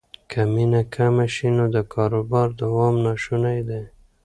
که مینه کمه شي نو د کاروبار دوام ناشونی دی.